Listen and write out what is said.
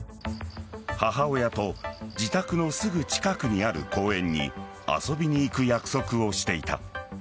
母親と自宅のすぐ近くにある公園に遊びに行く約束をしていた。